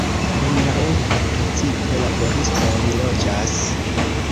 En la urbo precipe laboristoj loĝas.